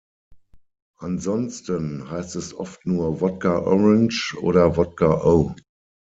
Ansonsten heißt es oft nur Wodka Orange oder Wodka-O.